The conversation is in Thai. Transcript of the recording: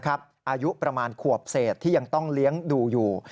อายุประมาณขวบเศษที่ยังต้องเลี้ยงดูอยู่